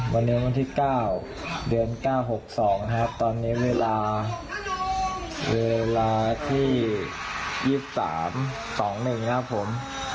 วันนี้วันที่๙เดือน๙๖๒นะครับตอนนี้เวลาเวลาที่๒๓๒๑ครับผม